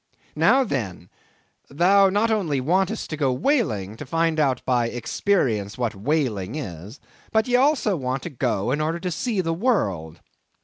Now then, thou not only wantest to go a whaling, to find out by experience what whaling is, but ye also want to go in order to see the world?